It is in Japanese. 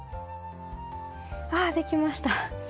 あできました。